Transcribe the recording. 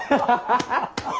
ハハハハ。